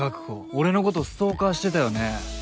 俺のことストーカーしてたよね？